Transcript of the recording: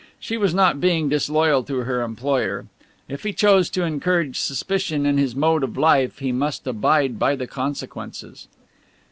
She was not being disloyal to her employer. If he chose to encourage suspicion in his mode of life he must abide by the consequences.